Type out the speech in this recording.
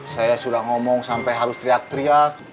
saya sudah ngomong sampai harus teriak teriak